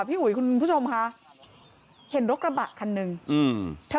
พี่อุ๋ยคุณผู้ชมค่ะเห็นรถกระบะคันหนึ่งอืม